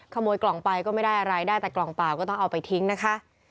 ขโมยกล่องไปก็ไม่ได้อะไรได้แต่กล่องเปล่าก็ต้องเอาไปทิ้งนะคะ